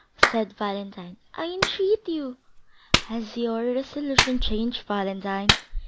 said Valentine; "I entreat you." "Has your resolution changed, Valentine?"